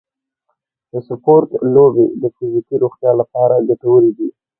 د سپورټ لوبې د فزیکي روغتیا لپاره ګټورې دي.